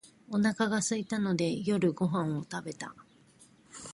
おなかがすいたので夜ご飯を食べた